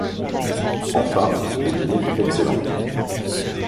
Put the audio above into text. Enfin, le dîner fut excellent.